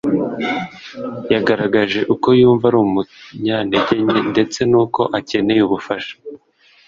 yagaragaje uko yumva ari umunyantege nke ndetse n'uko akeneye ubufasha